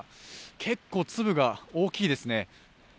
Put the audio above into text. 結構、粒が大きいですね。